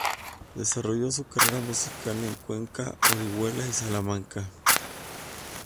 Desarrolló su carrera musical en Cuenca, Orihuela y Salamanca.